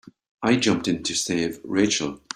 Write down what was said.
I jumped in to save Rachel.